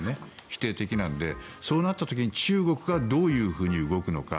否定的なので、そうなった時に中国がどういうふうに動くのか。